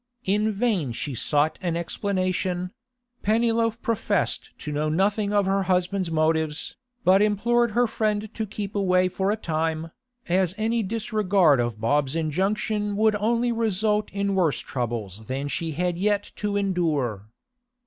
In vain she sought an explanation; Pennyloaf professed to know nothing of her husband's motives, but implored her friend to keep away for a time, as any disregard of Bob's injunction would only result in worse troubles than she yet had to endure.